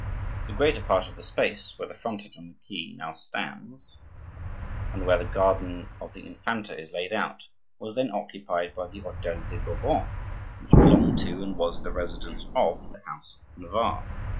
The greater part of the space where the frontage on the quay now stands, and where the Garden of the Infanta is laid out, was then occupied by the hotel de Bourbon, which belonged to and was the residence of the house of Navarre.